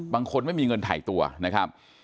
ไม่มีเงินถ่ายตัวนะครับ